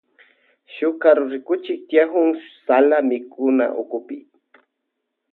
Shuk karurikuchik tiyakun sala mikunawkupi.